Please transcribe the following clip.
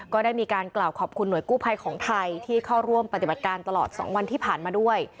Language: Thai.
ก็ได้มีการกล่าวขอบคุณหน่วยกู้ภัยของไทยที่เข้าร่วมปฏิบัติการตลอด๒วันที่ผ่านมาด้วย